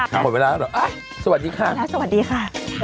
หมดเวลาแล้วเหรอสวัสดีค่ะ